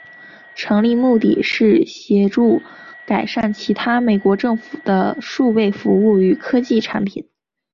成立目的是协助改善其他美国政府的数位服务与科技产品。